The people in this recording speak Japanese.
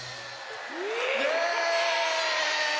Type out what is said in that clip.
イエーイ！